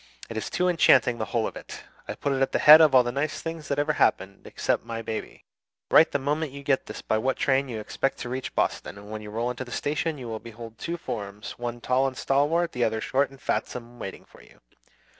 It is too enchanting, the whole of it. I put it at the head of all the nice things that ever happened, except my baby. Write the moment you get this by what train you expect to reach Boston, and when you roll into the station you will behold two forms, one tall and stalwart, the other short and fatsome, waiting for you.